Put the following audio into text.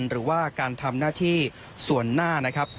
หรือว่าการทำหน้าที่ส่วนหน้านะครับ